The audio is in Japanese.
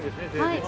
◆はい。